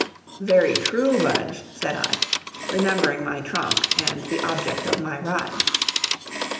"Very true, Budge," said I, remembering my trunk and the object of my ride.